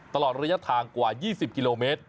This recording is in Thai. ตลอดระยะทางกว่า๒๐กิโลเมตร